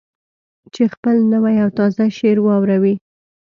چې خپل نوی او تازه شعر واوروي.